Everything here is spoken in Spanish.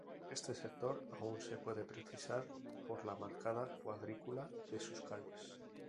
Este sector aún se puede precisar por la marcada cuadrícula de sus calles.